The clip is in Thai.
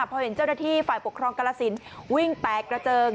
พอเห็นเจ้าหน้าที่ฝ่ายปกครองกรสินวิ่งแตกกระเจิง